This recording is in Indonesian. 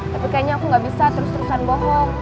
tapi kayaknya aku gak bisa terus terusan bohong